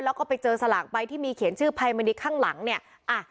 แล้วก็ไปเจอสลากใบที่มีเขียนชื่อภัยมณีข้างหลังเนี่ยอ่ะ